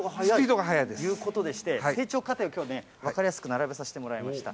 スピードが速いです。ということでして、成長過程をきょうは分かりやすく並べさせてもらいました。